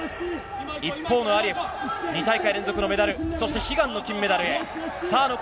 一方のアリエフ２大会連続のメダルそして、悲願の金メダルへ。